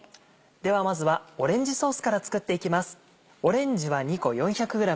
ではまずはオレンジソースから作っていきます。